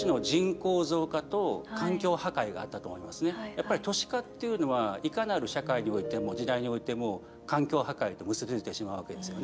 やっぱり都市化というのはいかなる社会においても時代においても環境破壊と結びついてしまうわけですよね。